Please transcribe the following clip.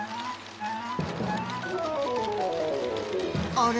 あれ？